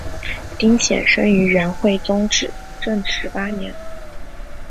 丁显生于元惠宗至正十八年。